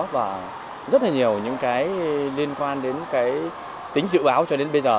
và rất là nhiều những cái liên quan đến cái tính dự báo cho đến bây giờ